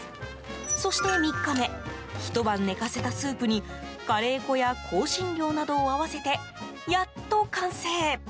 そして３日目ひと晩寝かせたスープにカレー粉や香辛料などを合わせてやっと完成。